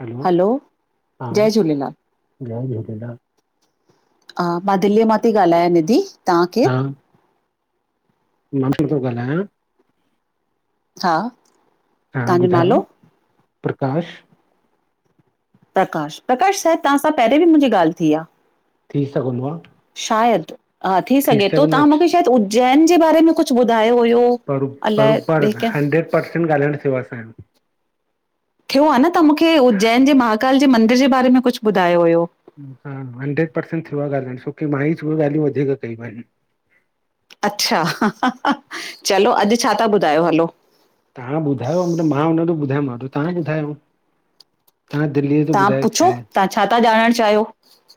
Hello, hello, हा, जय झूलेलाल। हा, मां दिल्लीअ मां थी ॻाल्हायां निधी, तां केरु? मोन्टी तो ॻाल्हायां, हा, हा तव्हांजो नालो? ॿुधायो। प्रकाश। प्रकाश, प्रकाश साहिब तव्हां सां पहिरें बि मुंहिंजी ॻाल्हि थी आ। थी सघंदो आ। शायदि, हा थी सघे तो, तव्हां मुखे पर शायदि उज्जैन जे बारे में कुछु ॿुधायो हुयो। बर अलाए ॿिए बरोबरि कंहिं हंड्रेड पर्सेंट ॻाल्हाइण थियो आ असांजो। थियो आ न त मुखे, उज्जैन जे महाकाल जे मंदिर जे बारे में कुछु ॿुधायो हुयो। हा, हंड्रेड परर्सेंट थियो आ ॻाल्हाइणु, छोकी मां ई थोरियूं ॻाल्हियूं वधीक कयूं आहिनि। अच्छा, चलो अॼु छा ता ॿुधायो, हलो। तहां ॿुधायो, त मां हुनॾीं ॿुधायोमांव, तव्हां ॿुधायो। हा, तां दिल्लीअ जो तव्हां ॿुधायो पुछो, छाए? तव्हां छा था ॼाणणु चाहियो?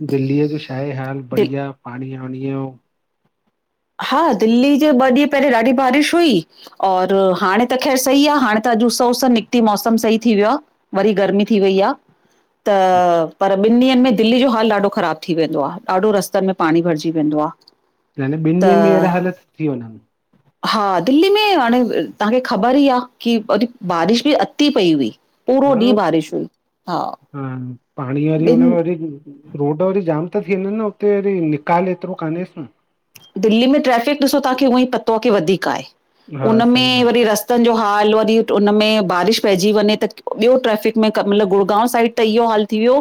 दिल्लीअ जो छा आहे हाल दिल बढ़ीया पाणी ॿाणीअ जो? हा, दिल्ली जे ॿ ॾींहं पहिरियों ॾाढी बारिश हुई और हाणे त ख़ैरु सही आ, हाणे त अॼु उस उस निकिती, मौसम सही थी वियो आ। वरी गर्मी थी वई आ त पर ॿिनि ॾींहंनि में दिल्ली जो हाल ॾाढो ख़राब थी वेंदो आ, ॾाढो रस्तनि में पाणी भरिजी वेंदो आ। यानें ॿिनि ॾींहंनि में अहिड़ा हालत थी वञनि। [unintelligible] हा, दिल्ली में हाणे तांखे ख़बर ई आ, कि वरी बारिश बि अती पई हुई। पूरो ॾींहुं बारिश हुई, हा। हानि, पाणी वरी हुन ॿिनि खां वधीक [unintelligible] रोड वरी जाम ता थी वञनि न, उते वरी निकाल एतिरो कान्हेसि न। दिल्ली में ट्रैफिक ॾिसो तांखे ऊंअई पतो आहे कि वधीक आहे, हा उन सही में ॻाल्हि वरी रस्त रस्तनि जो हाल, वरी उन में बारिश पइजी वञे त, ॿियो ट्रैफ़िक में मतिलबु गुड़गांव साइड त इहो हाल थीवयो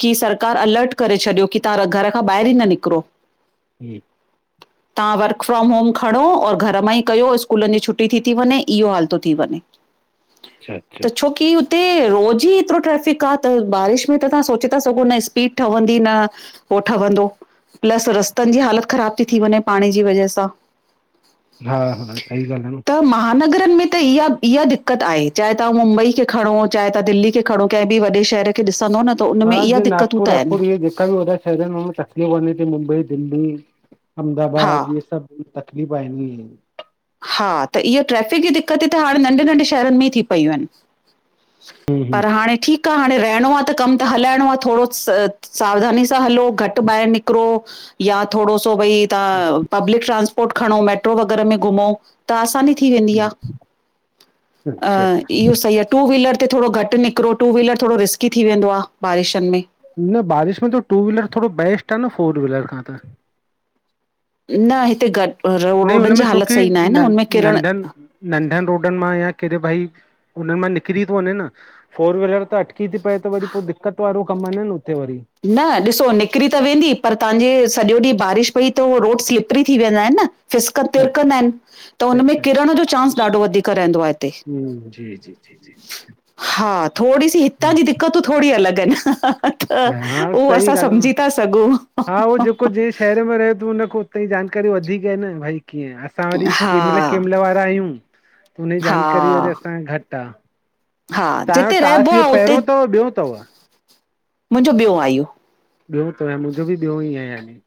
की सरकार अलर्ट करे छॾियो की तां घर खां ॿाहिरि ई न निकिरो। जीम [unintelligible] तहां वर्क फ्रॉम होम खणों और घर मां ई कयो स्कूलनि जी छुट्टी थी वंञे इह्यो हाल तो थी वंञे। अच्छा अच्छा त छोक कि हुते रोज़ ई एतिरो ट्रेफिक आ त बारिश में त तहां सोचे ता सघो न स्पीड ठवहंदी न उह ठवहंदो, प्लस रस्तनि जी हालत ख़राब ती थी वंञे पाणी जी वजह सां। हा हा सही ॻाल्हि आ न। त महानगरनि में त इह्या -इह्या दिक्क़त आहे चाहे तहां मुंबई खे खणो चाहे तहां दिल्ली खे खणो कंहिं बि वॾे शहर खे ॾिसंदो न त उन हा में इहा जीअं दिक़तूं त नागपुर आहिनि वागपुर इह्ये जेका बि वॾा शहर इनि में तकलीफ़ बी थी मुंबई दिल्ली हा अहमदाबाद इह्ये सभु तकलीफ़ आहिनी। हा त इह्य ट्रैफ़िक जी दिक्क़तयूं त हाणे नंढे -नंढे शहरनि में ई थी पयूं अनि। हम्म हम्म पर हाणे ठीक। आ हाणें रहिणो आ त कम त हलाइणो आ थोड़ो स सावधानी सां हलो घटि ॿाहिरि निकिरो या थोड़ो सो भई तहां पब्लिक ट्रान्सपोर्ट खणों मेट्रो वग़ैरह में घुमो। त आसानी थी वेंदी आ, हम्म, अच्छा अं अच्छा इह्यो सही आ। टू व्हीलर ते थोड़ो घटि निकिरो, टू व्हीलर थोड़ो रिस्की थी वेंदो आ बारिशनि में। न बारिश में त टू व्हीलर थोड़ो बेस्ट आ न फोर व्हीलर खां त। न हिते गॾ रोडनि जी हालति सही ना हे न हुनमें किरण तनं [unintelligible] नंढनि रोडनि मां या केड़े भई उन्हनि मां निकिरी तो वञें न। फोर व्हीलर त अटकी ती पए त वरी पो दिक्कत वारो कमु आनि न उते वरी। न ॾिसो निकिरी त वेंदी पर तहांजे सॼो ॾींहुं बारिश पई त ओ रोड स्लिपरी थी वेंदा हिनि न फिसक तिरकंदा हिनि त हुन में अच्छा अच्छा किरण जो चांस ॾाढो वधीक रहंदो आ हिते। हम्म जी जी। जी जी जी हा थोड़ी सी हितां हम्म, जी दिक्क़तयूं थोड़ी अलॻि आहिनि ह ह ह। हा उहो सही असां ॻाल्हि आहे न। सम्झी ता सघूं ह हा उहो ह जेको ह। जंहिं शहर में रहे तो हुनखे उते जी जानकारी वधीक आहे न भई कीअं अस असां वरी हा केमल- केमल वारा आहियूं हुनजी हा जानकारी वरी असांखे घटि आ। हा तहांयो जिते रहिबो टास् इह्यो आहे पहिरियों तव ॿियों तव? मुंजों ॿियों आ इह्यो। ॿियो तव अएं मुंजो बि ॿियो ई आ यानि।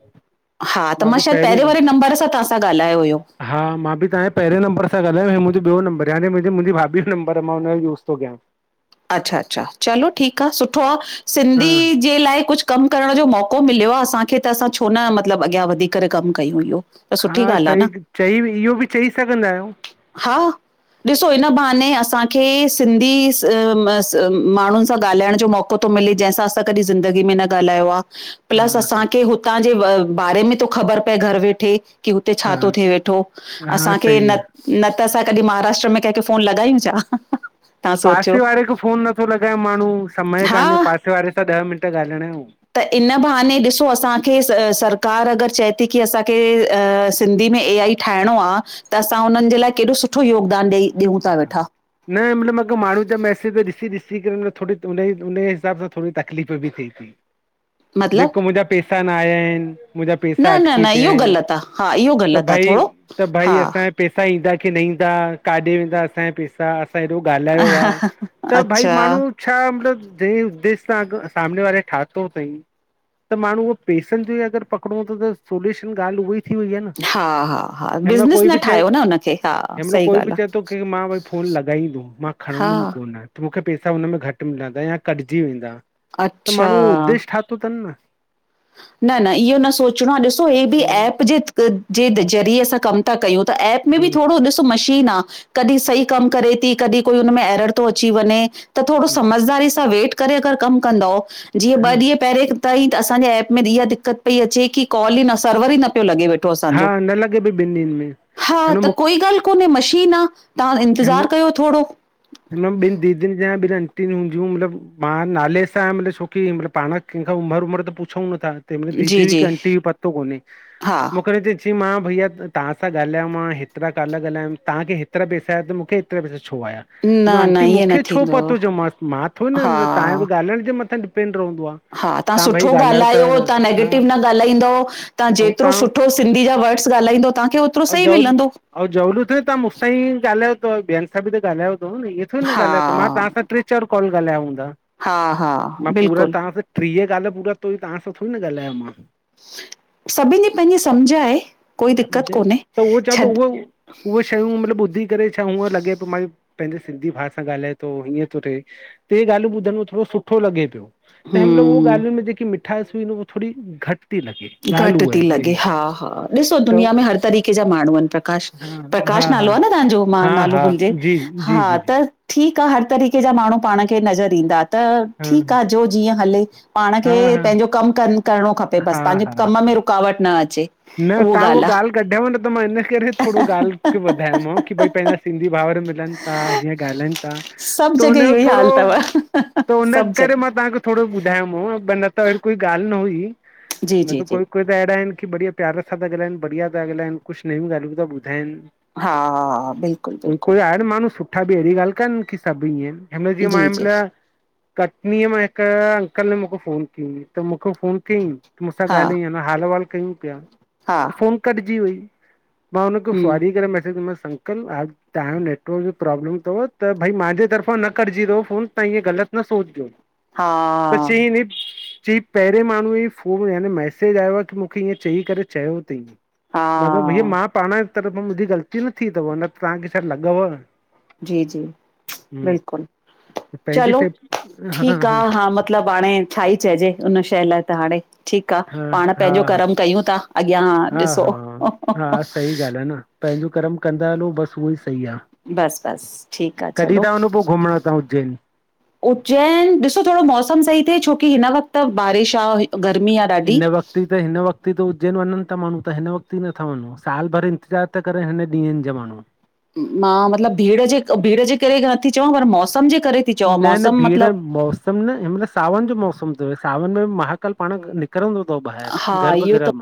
हा त मां शायदि पहिरें वारे नंबर सां तहां सां ॻाल्हायो हुयो। हा मां बि तव्हांजे पहिरें नंबर सां ॻाल्हायो हो मुंहिंजो ॿियो नंबर यानि मुंहिंजी मुंहिजी भाभी जो नंबर आ मां हुनजो यूज़ तो कियां। अच्छा -अच्छा चलो ठीक आ सुठो आ हा सिंधी जे लाए कुछ कमु करण जो मौक़ो मिलियो आ असांखे त असां छो न मतिलबु अॻियां वधी करे कमु कयूं इह्यो। हा सही चई, इह्यो बि चई सघंदा आहियंउ। हा ॾिसो इन्ह बहाने असांखे सिंधी सि माण्हुनि सां ॻाल्हाइण जो मौको तो मिले जंहिंसां असां कॾीहिं ज़िंदगी में न ॻाल्हायो आ। प्लस हा असांखे हुतां जे ब बारे में तो ख़बर पए घरु वेठे। कि हुते छा तो हा थिये वेठो हा असांखे सही न आहे न त असां कॾी महाराष्ट्र में कंहिंखे फोन लॻायूं छा त्हां पासे वारे खे फोन नत्थो लॻाए माण्हूं, समय कान्हे हा। पासे वारे सां ॾह मिंट ॻाल्हाइण यो। त इन बहाने ॾिसो असांखे स सरकार अगरि चए ती की असांखे अ सिंधी में ए आई ठाहेणो आ त असां हुनन् जे लाइ केॾो सुठो योगदान ॾईा। न मतलब माण्हू जा मैसेज ॾिसी ॾिसी करे न। थोरी उन ई उन ई हिसाब सां थोरी तकलीफ़ बि थिए ती। मतलब जेको मुंजा पेैसा न आयाईन मुंजा पेैसा न न अटकी न इहो पयाइन ग़लति आ हा इहो त ग़लति आ भई। थोरो त हा भई असां या पेैसा ईंदा की न ईंदा काॾे वेंदा असां या पेैसा। पेैरों ॻाल्हायो आ त भई अच्छा माण्हू। छा मतलब ॾि ॾिसां सामने वारे ठातो थईं। त माण्हू वो पेसनजी अगर पकडो त सोल्यूशन ॻाल् उई। थी वही आए न हा हा हा हेमलो बिज़नेस कोई न बि चइ ठाहियो न हुनखे हा हेमलो सही कोई बि ॻाल्हि आ चइ। तोखे मां वरी फोन लॻाईंदु मां हा खणंदुम् कोन आ। मूखे पैसा हुनमें घट् मिलंदा या कटजी वेंदा त माण्हू अच्छा उदेश ठातो तन् न। न न इहो न सोचणो आ ॾिसो हे बि एप पोइ जे जे ज़रिए असां कम। त कयूं ता एप में बि थोॾो ॾिसो मशीन आ। कॾहिं सही कम करे ती कॾहिं कोई हुन में एरर थो अची वञे त थोॾो समझदारी सां वेट। करे अगर कम कंदव जी ॿ हा ॾिह पेरे तहि त असांजे एप। में इहा दिक़त पई अचे की कॉल ई न सर्वर ई न पियो लॻे व। त हा असांजो न लॻे पई ॿिनि ॾींहंनि में हा त हिन कोई ॻाल्ह। कोने मशीन आ तां इंतज़ार कयो थोड़ो। हिन ॿिन दीदीयुन् जा ॿिन आंटीयूंन् हूंदियूं मतलब मां नाले सां मतिलब छोकी हिन मतलब पाण। कंहिं खां उमर उमर त पुछ ऊं नथा तहिमल जी दीदी हई जी कि आंटी हुई पतो कोने हा मूंखे। कि मां भैया तां सां ॻाल्हाय मां हेतरा काल ॻाल्हायम तांखे हेतरा पैसा। शायद मूंखे ऐतरा पैसा छो आया? ब्यो न न आंटी ईअं न मूंखे छो थींदो पतो ज? माँ माँ थोड़ न हा तांजोॻाल्हण जे मथां डिपेंड रहंदो आ। हा, तां सुठो ॻाल्हायो। तां हा नैगेटिव न ॻाल्हाईंदो। तां ऐं जेतरो तव्हां सुठो सिंधी जा वर्ड्स ॻाल्हाईदो तांखे ओतरो सही मिलंदो। हऊ जरूर थोर तां मूं सा ईी गालायो थव ॿियन सां बि त ॻालन तो न इएइ। छो न हा ॻाल्हायो त मां तां सां ट्रे चार कॉल ॻाल्हायो हूंदा हा हा मां पूरा बिल्कुलु ता सां। ट्रि ह काल पूरा तई तव्हां सां थोरी न ॻाल्हायो मां। सभिन जे पेहले पेंजी समझ आहे कोई दिक्कत त कोन्हे, छॾ। उह शयूं, मतलब ॿुधी करे छा हूअं लॻे पो मन पंजे सिन्धी भा सां ॻाल्हाए थो। हीअं थो थिए। ट्रे ॻाल्यूं ॿुधण में थोरो सुठो लॻे पियो। त हेमल उहोे हम्म ॻाहलुन् में जेकी मिठास हुई न थोरी घट थी लॻे। घट ॻाल्हि उहा थती आहे लॻे। ॿिए हा, हा, ॾिसो त दुनिया में हर तरीक़े जा माण्हू आहिन प्रकाश। हा हा प्रकाश हा नालो आ न तांजो? मां हा नालो हा भुलिजे, जी जी हा, जी जी त। ठीक आ, हर तरीक़े जा माण्हू पाण खे नज़र ईंदा त हा ठीक आ, जो जीअं हले। पाण खे हा पेंजो कम करन करिणो खपे, बस हा पंहेजो हा हा कम में रुकावट न अचे। न तां उहो ॻाल्ह कढयव न, त मां हिन करे थोरो ॻाल्ह खे वधायो माव आहे कि भई पंहिंजा। सिंधी भावर मिलन ता। हीअं ॻालायन ता सभु त जॻह हुनयो इहो ई थोरो। हाल अथव त उन सभु करे जॻह मां तांखे। थोरो ॿुधायोम होे पर वन त कोई ॻाल्हि न हुई, जी न जी त जी कोई कोई त अहिड़ा आहिन की बढ़िया। प्यार सां था ॻाल्हन, बढ़िया था ॻाल्हन, कूछ नयुं ॻाल्हियूं था ॿूधाइन। हा, बिल्कुल, बिल्कुल। अड माण्हू सुठा बि एहिड़ी ॻाल्ह कान कि सभु ईअं, महिल जे जी महिल। जी कटनी मां हिकअंकल म मूंखे फोन की। त मूंखे फोन कयईं, मूंसां हा ॻालाई हाल वाल कयूं पिया। हा। फ़ोन कटजी वइ। मां हुन खां हम्म सौरी करे मैसेज ॾिनोमास अंकल आप तव्हांयो नेटवर्क जो प्रोब्लम तव त भाई मांजे तरफ़ां न कटजी तव फ़ोन तव्हां ईअं ग़लत न सोचजो। हा त चयईं, न चईं पहिरें माण्हूअ ई फोन यानि मैसेज आयो आहे कि मूंखे ईएंं चई करे चयो तई हा मा चयोमांस भईया मां पाण जे तरफ़ां मुंहिंजी ग़लती न थी तव न त तव्हांखे छा लॻव। जी-जी हम्म बिल्कुल। पंहिंजी चलो सेफ हा ठीक आ हा, मतलब हाणे छा ही चइजे हुन शइ लाइ त हाणे। ठीक आ, हा पाण हा पंहिंजो हा कर्म कयूं था। अॻियां हा ॾिसो। हा हा सही ॻाल्हि आहे न पंहिंजो कर्म कंदा हलो, बस उहो ही बस बस ठीक आ, कॾहिं चलो। था वञो पोइ घुमण तव्हां उज्जैन उज्जैन! ॾिसो थोरो मौसम सही थिए, छो कि हिन वक़्त बारिश आ, गर्मी आ। ॾाढी हिन वक़्त त हिन वक़्तु ई त उज्जैन वञन ता माण्हू त हिन वक़्त ही नथा वञू साल भर इंतज़ार था करन ता हिन ॾींहंनि जा माण्हू। मां मतलब भीड़, जे भीड़ जे करे नथी चवां पर मौसम जे करे थी चवां, मौसम मतलब। हिंमहल हिंमहल, सावन जो मौसम तव सावन में महाकाल पाण नि निकरंदो तव ॿाहिरि, हा गर्ब इहो ग्रह मां।